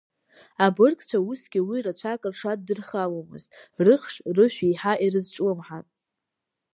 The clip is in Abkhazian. Абыргцәа усгьы уи рацәак рҽаддырхаломызт, рыхш, рышә еиҳа ирызҿлымҳан.